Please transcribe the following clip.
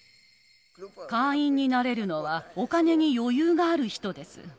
会員になれるのは、お金に余裕がある人です。